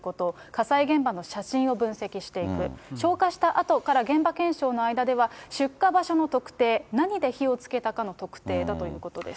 火災現場の写真を分析していく、消火した跡から現場検証の間では、出火場所の特定、何で火をつけたかの特定だということです。